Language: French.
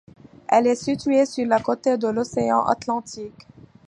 Elle est située sur la côte de l'océan Atlantique.